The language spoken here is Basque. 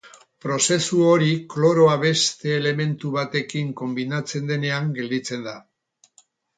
Prozesu hori kloroa beste elementu batekin konbinatzen denean gelditzen da.